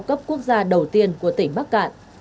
cấp quốc gia đầu tiên của tỉnh bắc cạn